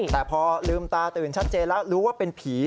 แต่พอลืมตาตื่นชัดเจนแล้วรู้ว่าเป็นผี